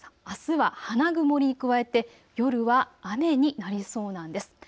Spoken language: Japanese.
あすは花曇りに加えて夜は雨になりそうなんです。